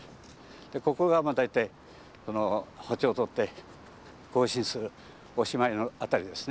でここが大体歩調をとって行進するおしまいの辺りですね。